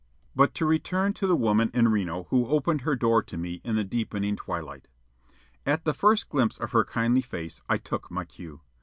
But to return to the woman in Reno who opened her door to me in the deepening twilight. At the first glimpse of her kindly face I took my cue.